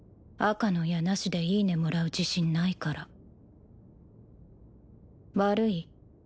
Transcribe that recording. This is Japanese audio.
赤の矢なしでいいねもらう自信ないから悪い？